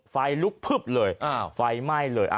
ไฟลุกพึบเลยไฟไหม้เลย